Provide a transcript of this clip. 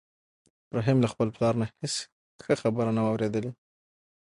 رحیم له خپل پلار نه هېڅ ښه خبره نه وه اورېدلې.